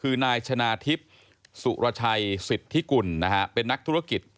คือนายชนาธิบสุรชัยสิทธิกุลเป็นนักธุรกิจ